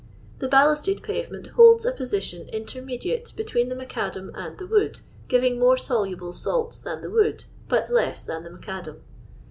*' The ballasted pavement holds a position in termediate between the macadam and the wood, giving more soluble salts than the wood, but less than the macadam.